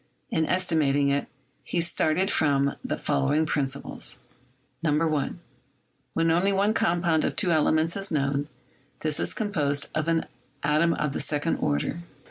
In estimating it, he started from the following principles: 1. When only one compound of two elements is known, this is composed of an atom of the second order.